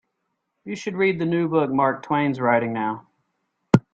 You should read the new book Mark Twain's writing now.